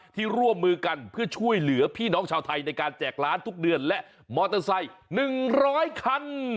ร่วมมือกันเพื่อช่วยเหลือพี่น้องชาวไทยในการแจกร้านทุกเดือนและมอเตอร์ไซค์๑๐๐คัน